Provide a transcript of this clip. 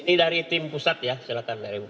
ini dari tim pusat ya silakan dari pusat